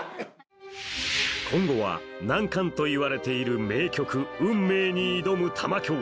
今後は難関といわれている名曲に挑む玉響